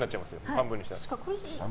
半分にしたら。